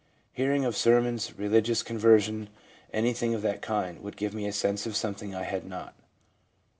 Hearing of sermons, religious conversation, anything of that kind, would give me a sense of something I had not.